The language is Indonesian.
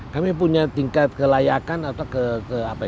kami punya tingkat kelayakan atau kemana mana